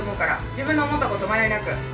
自分の思ったことを迷いなく。